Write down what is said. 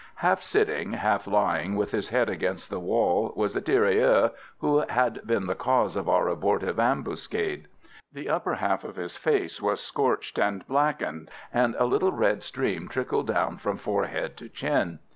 Half sitting, half lying, with his head against the wall, was the tirailleur who had been the cause of our abortive ambuscade. The upper half of his face was scorched and blackened, and a little red stream trickled down from forehead to chin.